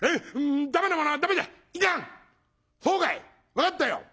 分かったよ！